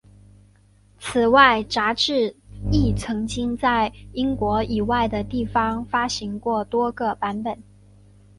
此外杂志亦曾经在英国以外的地方发行过多个版本。